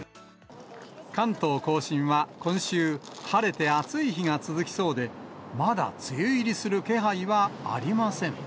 関東甲信は今週、晴れて暑い日が続きそうで、まだ梅雨入りする気配はありません。